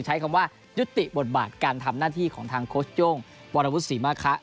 ใช้คำว่ายุติบทบาทการทำหน้าที่ของทางโค้ชโย่งวรวุฒิศรีมาคะ